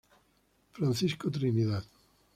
Francisco Trinidad.